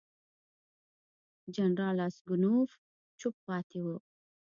جنرال راسګونوف چوپ پاتې وو.